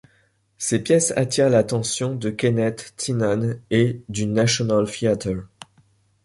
Ses pièces attirent l'attention de Kenneth Tynan et du National Theatre.